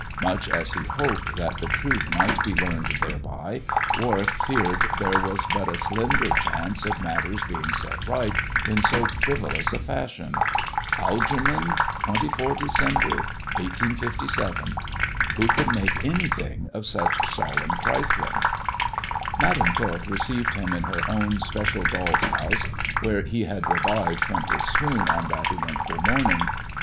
Much as he hoped that the truth might be learned thereby, Warwick feared there was but a slender chance of matters being set right in so frivolous a fashion. " Algernon, 24 December, 1857." Who could make anything of such solemn trifling ? Madam Tot received him in her own special doll's house, where he had revived from his swoon on that eventful morning.